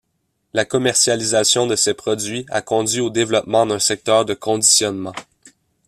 La commercialisation de ces produits a conduit au développement d'un secteur de conditionnement.